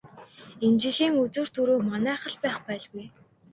Энэ жилийн үзүүр түрүү манайх л байх байлгүй.